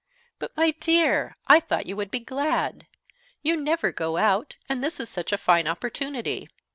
"But, my dear, I thought you would be glad. You never go out, and this is such a fine opportunity.